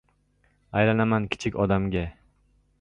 Aylanaman kichik odamga.